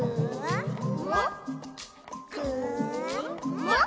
「もっ？